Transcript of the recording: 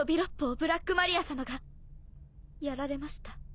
ブラックマリアさまがやられました。